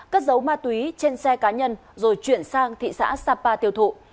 cất dấu ma túy trên xe cá nhân rồi chuyển sang thị xã sapa tiêu thụ